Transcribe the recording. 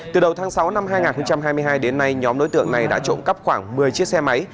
từ đầu tháng sáu năm hai nghìn hai mươi hai đến nay nhóm đối tượng này đã trộm cắp khoảng một mươi chiếc xe máy